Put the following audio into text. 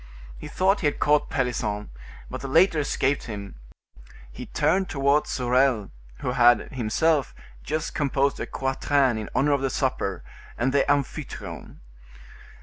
He thought he had caught Pelisson, but the latter escaped him; he turned towards Sorel, who had, himself, just composed a quatrain in honor of the supper, and the Amphytrion.